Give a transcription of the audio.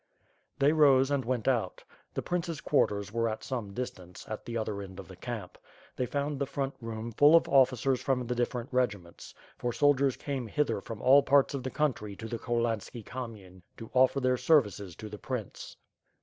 They rose and went out. Th« prince's quarters were at some distance, at the other end of the camp. They found the front room full of ofi&cers from the different regiments; for soldiers came hither from all parts of the country to the Cholhanski Kamyen to offer their services to the prince.